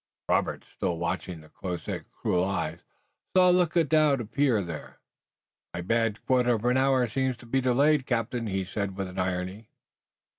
Robert, still watching the close set cruel eyes, saw a look of doubt appear there. "My bad quarter of an hour seems to be delayed, captain," he said with irony.